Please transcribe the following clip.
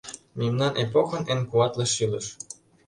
Мемнан эпохын эн куатле шӱлыш.